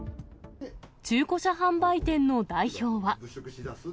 中古車販売店の代表は。